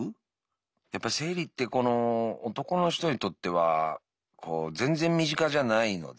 やっぱ生理ってこの男の人にとっては全然身近じゃないので。